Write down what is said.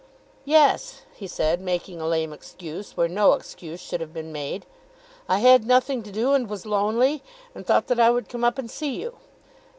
"Yes," he said, making a lame excuse, where no excuse should have been made, "I had nothing to do, and was lonely, and thought that I would come up and see you."